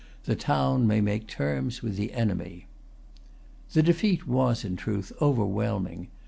The town may make terms with the enemy." The defeat was, in truth, overwhelming.